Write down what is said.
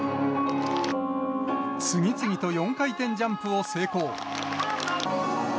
次々と４回転ジャンプを成功。